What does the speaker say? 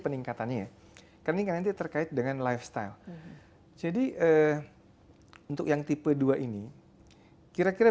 peningkatannya karena ini nanti terkait dengan lifestyle jadi untuk yang tipe dua ini kira kira